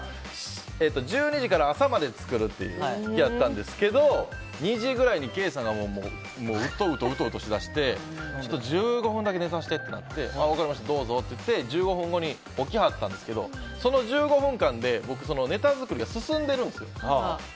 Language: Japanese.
１２時から朝まで作るっていう日やったんですけど２時ぐらいにケイさんがうとうとしだして１５分だけ寝させてって言って分かりました、どうぞって言って１５分後に起きはったんですけどその１５分間で僕、ネタ作りが進んでるんですよ。